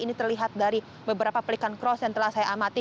ini terlihat dari beberapa pelikan cross yang telah saya amati